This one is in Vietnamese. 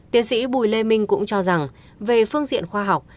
tiến sĩ bùi lê minh cũng cho rằng về phương diện khoa học